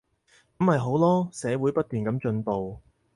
噉咪好囉，社會不斷噉進步